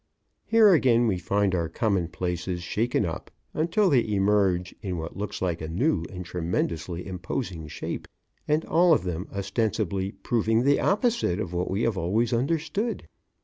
Here again we find our commonplaces shaken up until they emerge in what looks like a new and tremendously imposing shape, and all of them ostensibly proving the opposite of what we have always understood.